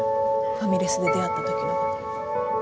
ファミレスで出会った時のこと。